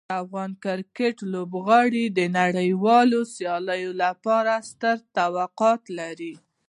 د افغان کرکټ لوبغاړو د نړیوالو سیالیو لپاره ستر توقعات لري.